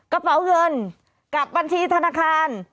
กระเป๋าเงินกับบัญชีธนาคาร